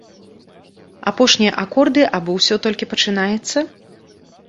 Апошнія акорды або ўсё толькі пачынаецца?